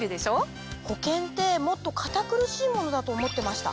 保険ってもっと堅苦しいものだと思ってました。